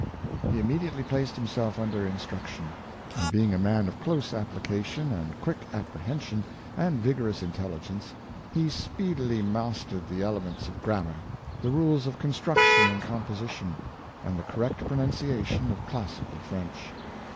" He immediately placed himself under instruction; and being a man of close application, of quick apprehension, and vigorous intelligence, he speedily mastered the ele ments of grammar, the rules of construction and com position, and the correct pronunciation of classical French.